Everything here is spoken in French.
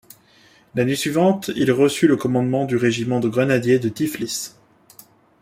L'année suivante, il reçut le commandement du Régiment de Grenadiers de Tiflis.